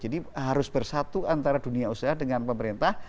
jadi harus bersatu antara dunia usaha dengan pemerintah